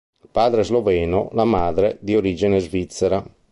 Il padre è sloveno, la madre di origine svizzera.